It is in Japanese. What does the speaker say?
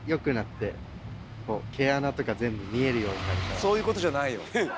そういうことじゃないよ。